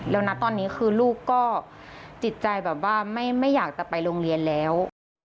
นะตอนนี้คือลูกก็จิตใจแบบว่าไม่อยากจะไปโรงเรียนแล้ว